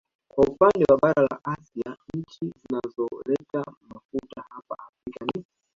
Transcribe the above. Kwa upande wa bara la Asia nchi zinazoleta mafuta hapa Afrika ni